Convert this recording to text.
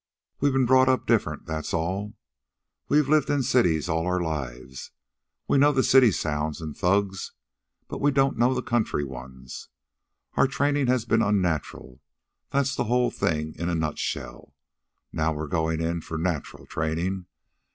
We've been brought up different, that's all. We've lived in cities all our lives. We know the city sounds and thugs, but we don't know the country ones. Our training has been unnatural, that's the whole thing in a nutshell. Now we're going in for natural training.